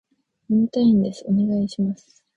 読みたいんです、お願いします